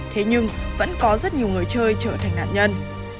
thế nhưng vẫn có rất nhiều người chơi trở thành nạn nhân